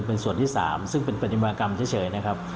เป็นส่วนที่๓ซึ่งเป็นปฏิมากรรมเฉยนะครับ